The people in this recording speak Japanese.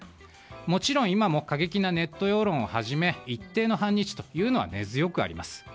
もちろん今も過激なネット世論をはじめ一定の反日は根強くあります。